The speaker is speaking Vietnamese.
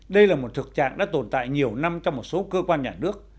đây là một thực trạng đã tồn tại nhiều năm trong một số cơ quan nhà nước